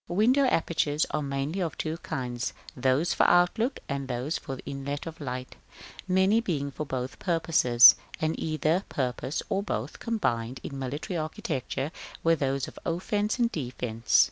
Window apertures are mainly of two kinds; those for outlook, and those for inlet of light, many being for both purposes, and either purpose, or both, combined in military architecture with those of offence and defence.